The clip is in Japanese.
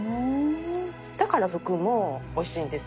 だからふくもおいしいんです。